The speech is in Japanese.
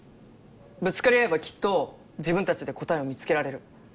ぶつかり合えばきっと自分たちで答えを見つけられる。